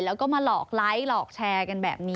แล้วก็มาหลอกไลค์หลอกแชร์กันแบบนี้